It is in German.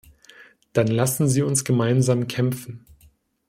Dann lassen Sie uns gemeinsam kämpfen.